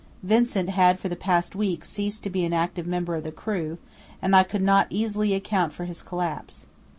Vincent had for the past week ceased to be an active member of the crew, and I could not easily account for his collapse.